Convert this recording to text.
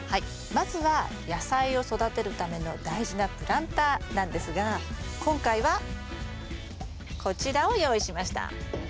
まずは野菜を育てるための大事なプランターなんですが今回はこちらを用意しました。